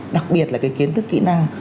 đặc biệt là cái kiến thức kỹ năng